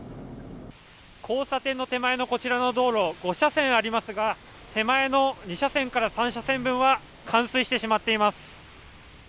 交差点の手前のこちらの道路５車線ありますが手前の２車線から３車線は冠水してしまっています。